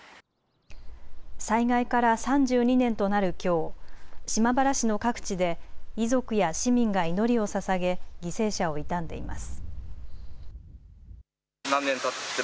災害から３２年となるきょう島原市の各地で遺族や市民が祈りをささげ犠牲者を悼んでいます。